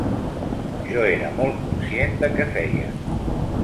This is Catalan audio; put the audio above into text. Jo era molt conscient de què feia.